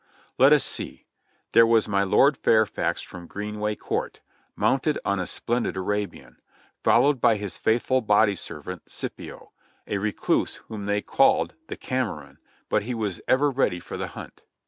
Let us see! There was my Lord Fairfax from Greenway Court, mounted on a splendid Arabian, followed by his faithful body servant Scipio, a recluse whom they called "the Cameron," but he was ever ready for the hunt.